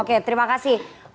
oke terima kasih